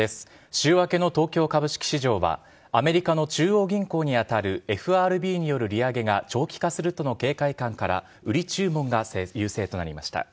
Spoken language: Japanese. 週明けの東京株式市場は、アメリカの中央銀行に当たるＦＲＢによる利上げが長期化するとの警戒感から、売り注文が優勢となりなりました。